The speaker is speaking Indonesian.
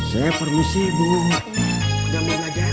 saya permisi bu sudah mau belajar